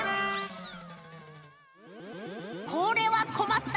これはこまった。